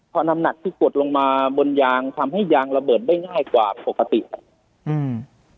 พอน้ำหนักที่กดลงมาบนยางทำให้ยางระเบิดได้ง่ายกว่าปกติครับอืม